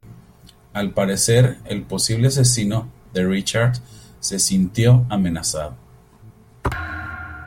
Al parecer el posible asesino de Richard se sintió amenazado.